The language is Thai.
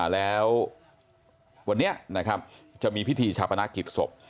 แล้ววันนี้นะครับจะมีพิธีชาปนกิจศพ